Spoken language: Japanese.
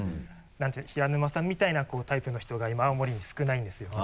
平沼さんみたいなタイプの人が今青森に少ないんですよ。